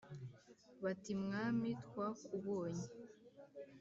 bati Mwami twakubonye